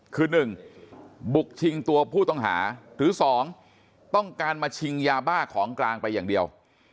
คือ๑บุกชิงตัวผู้ต้องหาหรือ๒ต้องการมาชิงยาบ้าของกลางไปอย่างเดียว